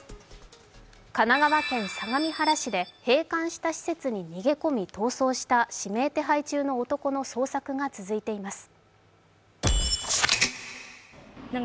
神奈川県相模原市で閉館した施設に逃げ込み逃走した指名手配中の男の捜索が続いています。